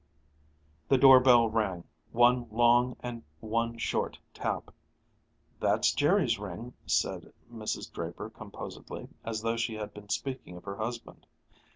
The doorbell rang, one long and one short tap. "That's Jerry's ring," said Mrs. Draper composedly, as though she had been speaking of her husband.